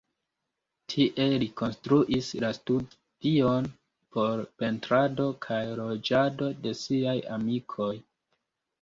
Tie li konstruis la studion por pentrado kaj loĝado de siaj amikoj.